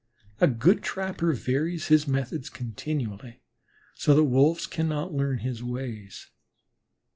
A good trapper varies his methods continually so that the Wolves cannot learn his ways.